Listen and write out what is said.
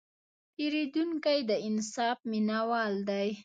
پیرودونکی د انصاف مینهوال دی.